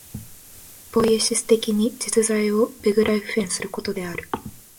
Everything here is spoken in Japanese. ポイエシス的に実在をベグライフェンすることである。